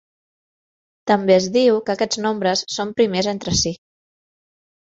També es diu que aquests nombres són primers entre si.